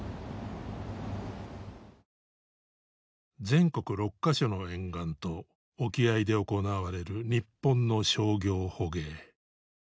全国６か所の沿岸と沖合で行われる日本の商業捕鯨。